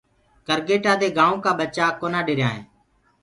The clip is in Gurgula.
ڪرگيٽآ دي گآيوُنٚ ڪآ ٻچآ ڪونآ ڏريآئينٚ۔